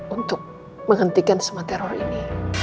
untuk menghentikan semua teror ini